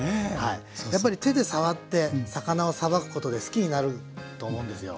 やっぱり手で触って魚をさばくことで好きになると思うんですよ。